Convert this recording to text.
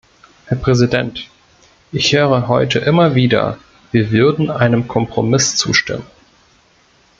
Herr Präsident! Ich höre heute immer wieder, wir würden einem Kompromiss zustimmen.